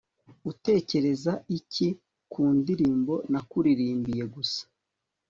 utekereza iki ku ndirimbo nakuririmbiye gusa